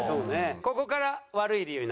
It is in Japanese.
ここから悪い理由になります。